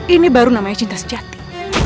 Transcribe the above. ini baru namanya cinta sejati